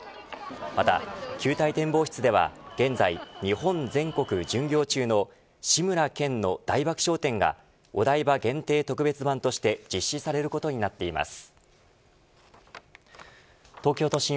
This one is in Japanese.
また球体展望室では現在日本全国巡業中の志村けんの大爆笑展がお台場限定特別版として実施されることになっています。